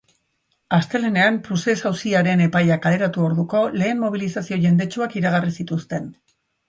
Astelehenean, proces auziaren epaia kaleratu orduko, lehen mobilizazio jendetsuak iragarri zituzten.